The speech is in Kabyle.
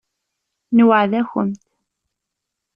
Nweεεed-akumt.